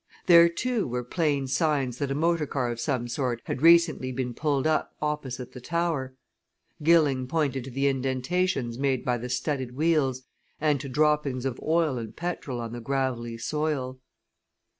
There, too, were plain signs that a motor car of some sort had recently been pulled up opposite the tower Gilling pointed to the indentations made by the studded wheels and to droppings of oil and petrol on the gravelly soil.